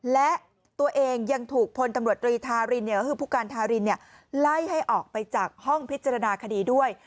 และตัวเองยังถูกพลตำรวจรีธารินก็คือผู้การทารินไล่ให้ออกไปจากห้องพิจารณาคดีด้วย